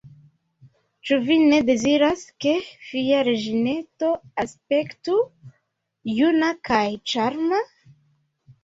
Ĉu Vi ne deziras, ke Via reĝineto aspektu juna kaj ĉarma?